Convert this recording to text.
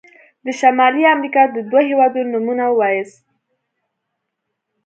د شمالي امريکا د دوه هيوادونو نومونه ووایاست.